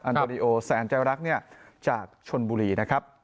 โดริโอแสนใจรักจากชนบุรีนะครับ